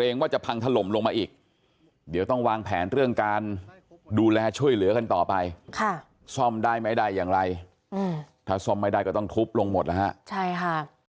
เรื่องการดูแลช่วยเหลือกันต่อไปซ่อมได้ไหมได้อย่างไรถ้าซ่อมไม่ได้ก็ต้องทุบลงหมดนะฮะใช่ค่ะ